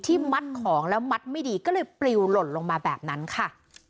มัดของแล้วมัดไม่ดีก็เลยปลิวหล่นลงมาแบบนั้นค่ะ